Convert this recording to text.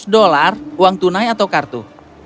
tiga ratus dolar uang tunai atau kartu